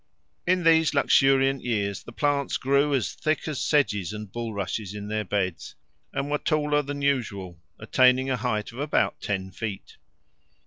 In these luxuriant years the plants grew as thick as sedges and bulrushes in their beds, and were taller than usual, attaining a height of about ten feet.